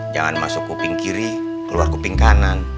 jangan masuk kuping kiri keluar kuping kanan